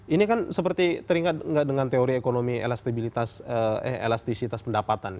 ini kan seperti teringat nggak dengan teori ekonomi elastisitas pendapatan